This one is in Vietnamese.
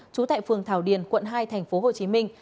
trú tại phường thảo điền quận hai thành phố hồ chí minh